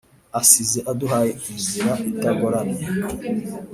Asize aduhaye inzira itagoramye